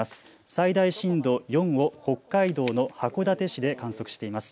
最大震度４を北海道の函館市で観測しています。